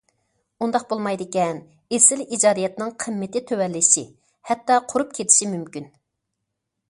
ئۇنداق بولمايدىكەن، ئېسىل ئىجادىيەتنىڭ قىممىتى تۆۋەنلىشى، ھەتتا قۇرۇپ كېتىشى مۇمكىن.